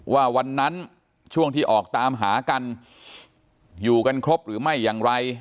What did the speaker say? ว่าวันนั้นช่วงที่ออกตามหากันอยู่กันครบหรือไม่อย่างไร